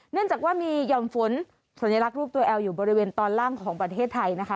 เนื่องจากว่ามีห่อมฝนสัญลักษณ์รูปตัวแอลอยู่บริเวณตอนล่างของประเทศไทยนะคะ